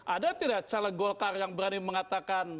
ada tidak caleg golkar yang berani mengatakan